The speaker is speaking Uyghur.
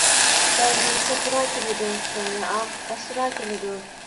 بەڭگى سەپرا كېلىدۇ، كۆڭلى ئاق ئەسرا كېلىدۇ.